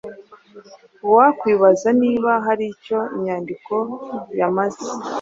Uwakwibaza niba hari icyo inyandiko yamaze,